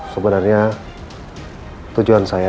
sebenernya tujuan saya